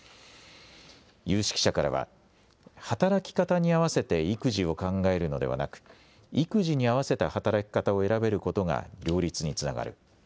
有識者からは働き方に合わせて育児を考えるのではなく育児に合わせた働き方を選べることが両立につながる。